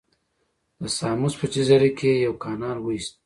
د ساموس په جزیره کې یې یو کانال وویست.